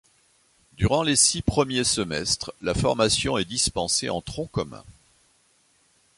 Durant les six premiers semestres, la formation est dispensée en tronc commun.